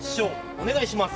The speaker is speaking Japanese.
お願いします！